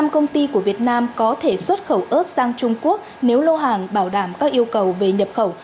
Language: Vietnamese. năm công ty của việt nam có thể xuất khẩu ớt sang trung quốc nếu lô hàng bảo đảm các yêu cầu về nhập khẩu